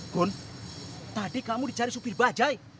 gun tadi kamu dicari supir bajai